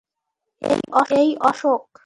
এই, অশোক।